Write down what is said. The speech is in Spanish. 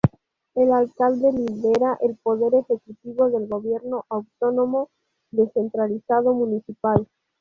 El alcalde lidera el poder ejecutivo del Gobierno Autónomo Descentralizado Municipal.